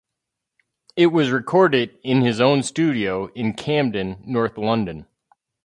It was recorded in his own studio in Camden, North London.